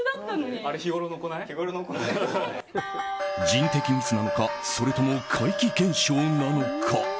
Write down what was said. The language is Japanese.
人的ミスなのかそれとも怪奇現象なのか。